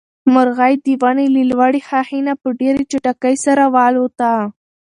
مرغۍ د ونې له لوړې ښاخۍ نه په چټکۍ سره والوته.